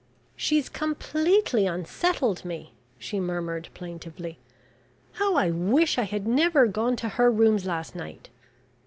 "She's completely unsettled me," she murmured plaintively. "How I wish I had never gone to her rooms last night.